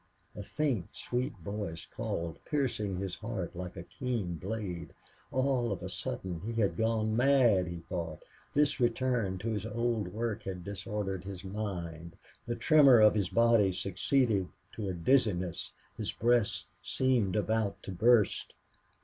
A faint, sweet voice called, piercing his heart like a keen blade. All of a sudden he had gone mad, he thought; this return to his old work had disordered his mind. The tremor of his body succeeded to a dizziness; his breast seemed about to burst.